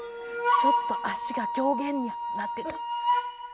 ちょっと足が狂言になってた。